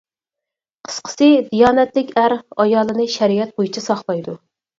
قىسقىسى دىيانەتلىك ئەر ئايالىنى شەرىئەت بويىچە ساقلايدۇ.